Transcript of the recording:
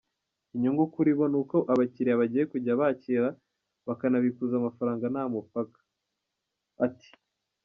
Inyungu kuri bo n’uko abakiriya bagiye kujya bakira bakanabikuza amafaranga nta mupaka, ati:.